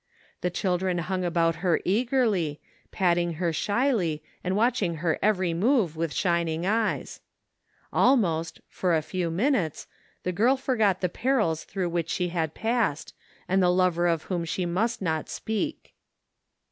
The children hung about her eagerly, patting her shyly, and watching her every move with shining eyes. Al 106 THE FINDING OF JASPER HOLT most, for a few minutes, the girl forgot the perils through which she had passed, and the lover of whom she must not speak.